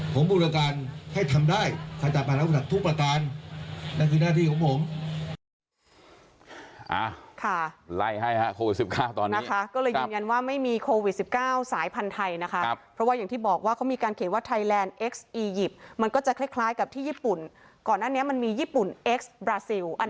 ของบุรการให้ทำได้ขัดจากปราศักดิ์ทุกประตาน